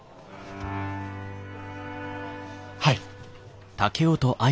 はい。